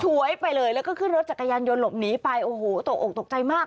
วยไปเลยแล้วก็ขึ้นรถจักรยานยนต์หลบหนีไปโอ้โหตกออกตกใจมาก